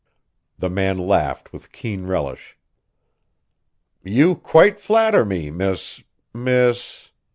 The man laughed with keen relish. "You quite flatter me, Miss Miss